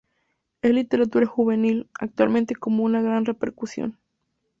Es literatura juvenil, actualmente con una gran repercusión.